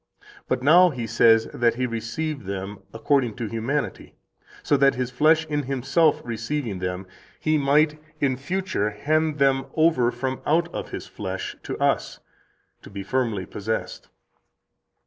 But now He says that He received them according to humanity, so that, His flesh in Himself receiving them, He might in future hand them over from out of His flesh to us to be firmly possessed."